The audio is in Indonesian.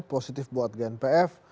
positif buat gnpf